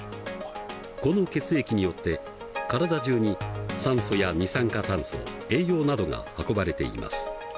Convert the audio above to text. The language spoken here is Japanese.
この血液によって体中に酸素や二酸化炭素栄養などが運ばれています。